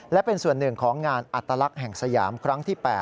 และเป็นส่วนหนึ่งของงานอัตลักษณ์แห่งสยามครั้งที่๘